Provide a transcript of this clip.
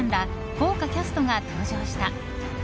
豪華キャストが登場した。